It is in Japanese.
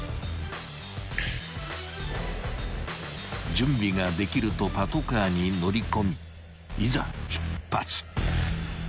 ［準備ができるとパトカーに乗り込みいざ出発］